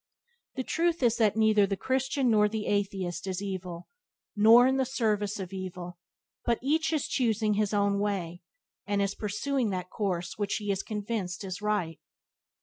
The truth is that neither the Christian nor the Atheist is evil, nor in the service of evil, but each is choosing his own way, and is pursuing that course which he is convinced is right.